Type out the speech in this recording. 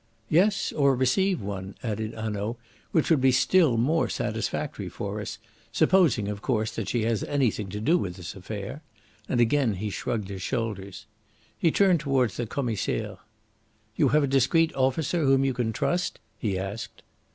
"Yes, or receive one," added Hanaud, "which would be still more satisfactory for us supposing, of course, that she has anything to do with this affair"; and again he shrugged his shoulders. He turned towards the Commissaire. "You have a discreet officer whom you can trust?" he asked.